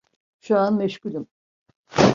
Şu an meşgulüm.